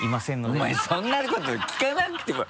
お前そんなこと聞かなくても。